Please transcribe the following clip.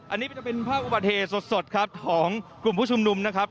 อันนี้จะเป็นภาพอุบัติเหตุสดครับของกลุ่มผู้ชุมนุมนะครับ